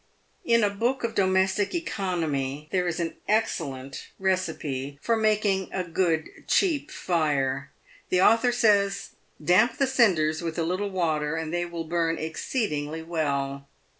In a book of domestic economy there is an excellent receipt for making a good, cheap fire. The author says, " Damp the cinders with a little water, and they will burn exceedingly well."